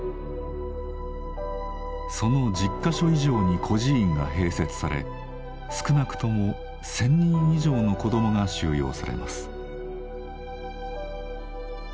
その１０か所以上に孤児院が併設され少なくとも１，０００人以上の子どもが収容されます。